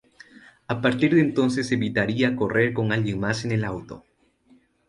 A partir de entonces evitaría correr con alguien más en el auto.